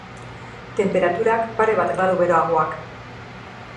Tenperaturak, pare bat gradu beroagoak.